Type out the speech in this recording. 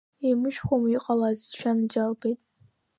Еимышәхуама, иҟалазеи, шәанаџьалбеит?